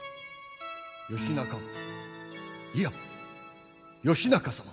義仲いや義仲様。